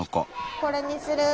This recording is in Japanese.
これにする。